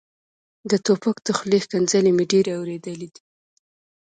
د ټوپک د خولې ښکنځلې مې ډېرې اورېدلې دي.